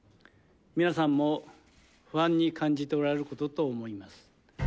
皆さんも不安に感じておられることと思います。